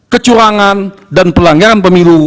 kecurangan dan pelanggaran pemilu